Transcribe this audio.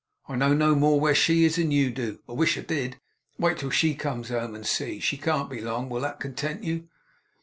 I know no more where she is than you do; I wish I did. Wait till she comes home, and see; she can't be long. Will that content you?